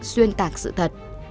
xuyên tạc sự thật